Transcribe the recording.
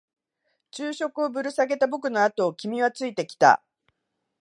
昼食をぶら下げた僕のあとを君はついてきた。